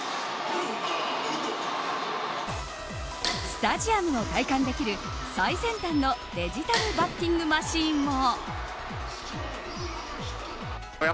スタジアムを体感できる最先端のデジタルバッティングマシーンも。